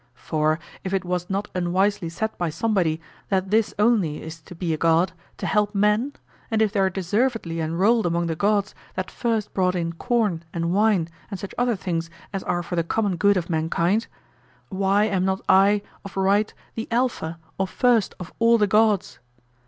For, if it was not unwisely said by somebody, that this only is to be a god, to help men; and if they are deservedly enrolled among the gods that first brought in corn and wine and such other things as are for the common good of mankind, why am not I of right the alpha, or first, of all the gods?